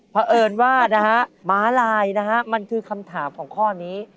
เพราะเอิญว่านะฮะหมาลายนะฮะมันคือคำถามของข้อนี้